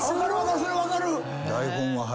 それ分かる。